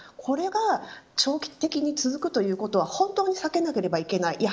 これが長期的に続くということは本当に避けなければいけない。